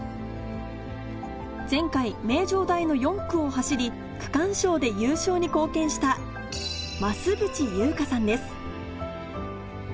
前回名城大の４区を走り区間賞で優勝に貢献した増渕祐香さんです